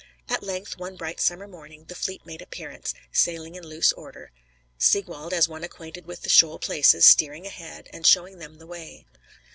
At length, one bright summer morning, the fleet made appearance, sailing in loose order, Sigwald, as one acquainted with the shoal places, steering ahead, and showing them the way.